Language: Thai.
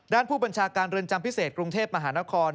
ด้านผู้บัญชาการเรือนจำพิเศษกรุงเทพมหานคร